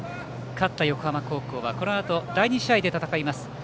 勝った横浜高校はこのあと第２試合で戦います